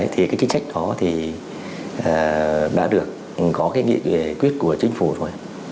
thì cái chính sách đó thì đã được có cái nghị quyết của chính phủ rồi